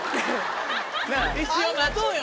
一応待とうよ。